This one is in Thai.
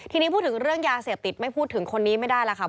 ทีนี้พูดถึงเรื่องยาเสพติดไม่พูดถึงคนนี้ไม่ได้แล้วค่ะ